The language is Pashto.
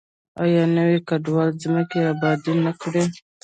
آیا نویو کډوالو ځمکې ابادې نه کړې؟